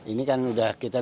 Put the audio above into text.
ini kan kita nggak mikir